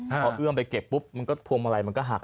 พอเอื้อมไปเก็บปุ๊บมันก็พวงมาลัยมันก็หัก